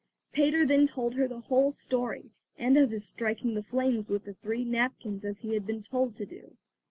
Peter then told her the whole story, and of his striking the flames with the three napkins as he had been told to do.